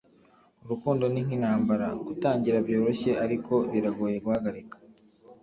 urukundo ni nk'intambara: gutangira byoroshye ariko biragoye guhagarika